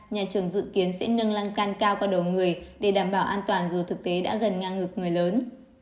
nhà trường dự kiến sẽ nâng lăng can cao qua đầu người để đảm bảo an toàn dù thực tế đã gần ngang ngực người lớn